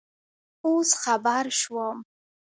اوس خبر شوم